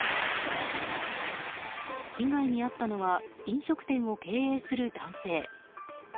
被害に遭ったのは飲食店を経営する男性。